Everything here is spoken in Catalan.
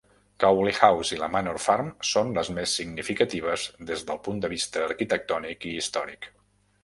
Cowley House i la Manor Farm són les més significatives des del punt de vista arquitectònic i històric.